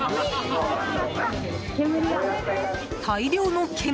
大量の煙。